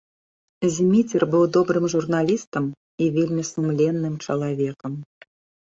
Зміцер быў добрым журналістам і вельмі сумленным чалавекам.